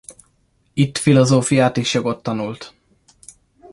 Itt filozófiát és jogot tanult.